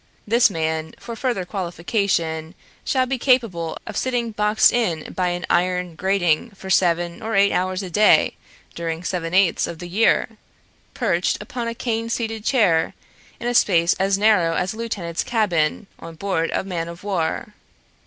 This man, for further qualification, shall be capable of sitting boxed in behind an iron grating for seven or eight hours a day during seven eighths of the year, perched upon a cane seated chair in a space as narrow as a lieutenant's cabin on board a man of war.